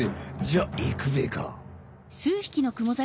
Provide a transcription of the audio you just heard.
じゃあいくべか。